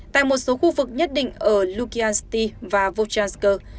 tại một số khu vực nhất định ở lukyanskoye và volchanskoye